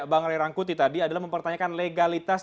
bang ray rangkuti tadi adalah mempertanyakan legalitas